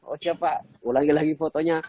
oh siapa ulangi lagi fotonya